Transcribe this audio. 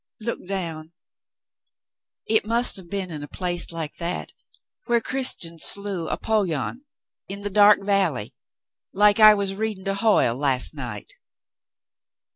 Look down. It must have been in a place like that where Christian slew Apollyon in the dark valley, like I was reading to Hoyle last night."